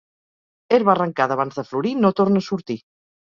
Herba arrencada abans de florir no torna a sortir.